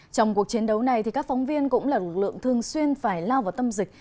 trong cuộc chiến đấu này các phóng viên cũng là lực lượng thường xuyên phải lao vào tâm dịch